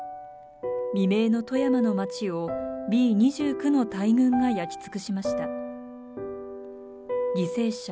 未明の富山の街をＢ−２９の大群が焼き尽くしました犠牲者